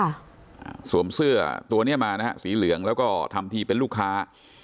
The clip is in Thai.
อ่าสวมเสื้อตัวเนี้ยมานะฮะสีเหลืองแล้วก็ทำทีเป็นลูกค้า